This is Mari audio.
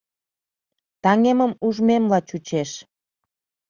Таҥемым ужмемла чучеш.